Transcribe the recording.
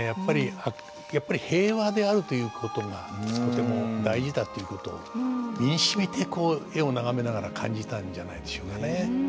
やっぱり平和であるということがとても大事だということ身にしみて絵を眺めながら感じたんじゃないでしょうかね。